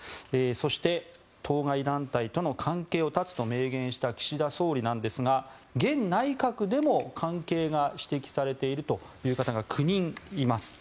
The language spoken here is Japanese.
そして、当該団体との関係を断つと明言した岸田総理ですが現内閣でも関係が指摘されているという方が９人います。